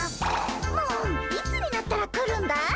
もういつになったら来るんだい？